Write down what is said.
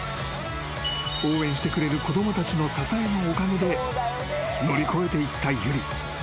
［応援してくれる子供たちの支えのおかげで乗り越えていった有理］